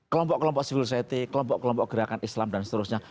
kelompok kelompok civilisasi kelompok kelompok gerakan islam dan seterusnya